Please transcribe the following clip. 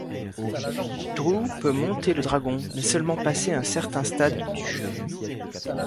Drew peut monter le dragon, mais seulement passé un certain stade du jeu.